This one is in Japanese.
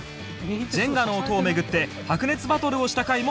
ジェンガの音を巡って白熱バトルをした回も視聴可能